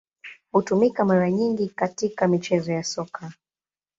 Hutumika mara nyingi katika michezo ya Soka.